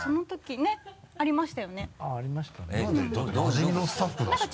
なじみのスタッフだしね。